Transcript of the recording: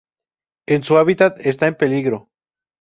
En su hábitat está en peligro.